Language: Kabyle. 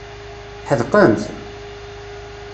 Tḥedqemt?